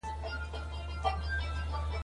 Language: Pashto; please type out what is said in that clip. نویو خیالونو د پیدا کولو کوښښ باسي.